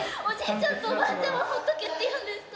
ちゃんとおばあちゃんをほっとけっていうんですか？